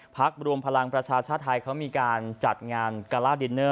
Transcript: รวมพลังประชาชาติไทยเขามีการจัดงานกาล่าดินเนอร์